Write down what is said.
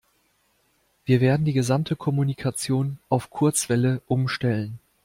Wir werden die gesamte Kommunikation auf Kurzwelle umstellen.